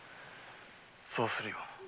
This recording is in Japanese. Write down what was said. そうするよ。